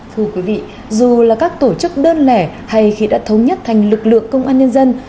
thưa quý vị dù là các tổ chức đơn lẻ hay khi đã thống nhất thành lực lượng công an nhân dân